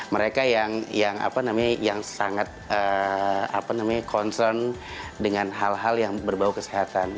mereka yang sangat concern dengan hal hal yang berbau kesehatan